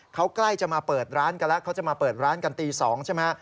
เขาจะมาเปิดร้านกันตี๒ใช่ไหมครับ